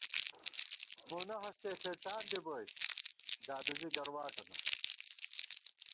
مونہ ہستے ݪېڄان دِبوئیت ، دادُوزی گرواٹَنہ